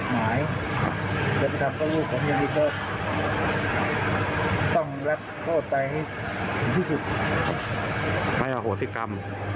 ให้อโถทิกรรม